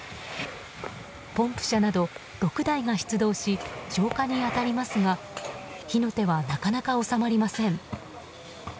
ポンプ車など６台が出動し消火に当たりますが火の手は、なかなか収まりません。